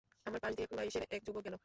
আমার পাশ দিয়ে কুরাইশের এক যুবক গেল।